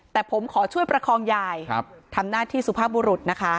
แต่ผมขอช่วยประคองยายทำหน้าที่สุภาพบุรุษนะคะ